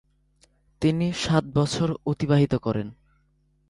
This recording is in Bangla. তিনি সাত বছর অতিবাহিত করেন।